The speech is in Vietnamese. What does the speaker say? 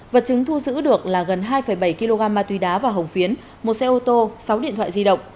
vật chứng thu giữ được là gần hai bảy kg ma túy đá và hồng phiến một xe ô tô sáu điện thoại di động